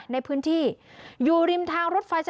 ในพื้นที่อยู่ริมทางรถไฟสถานีรถไฟพัฒนา